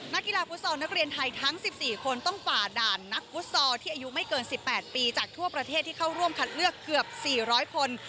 นักกีฬาฟุตซอลนักเรียนไทยทั้ง๑๔คนต้องฝ่าด่านนักฟุตซอลที่อายุไม่เกิน๑๘ปีจากทั่วประเทศที่เข้าร่วมคัดเลือกเกือบ๔๐๐คน